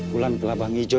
aku akan menang menang sukar